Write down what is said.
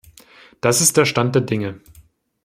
Das ist der Stand der Dinge.